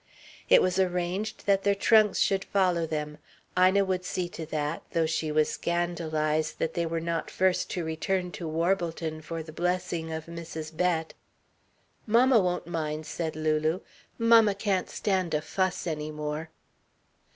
It was arranged that their trunks should follow them Ina would see to that, though she was scandalised that they were not first to return to Warbleton for the blessing of Mrs. Bett. "Mamma won't mind," said Lulu. "Mamma can't stand a fuss any more."